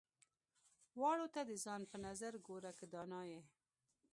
واړو ته د ځان په نظر ګوره که دانا يې.